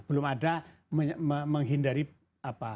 belum ada menghindari apa